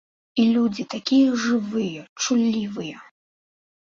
І людзі такія жывыя, чуллівыя.